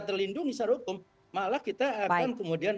terlindungi secara hukum malah kita akan kemudian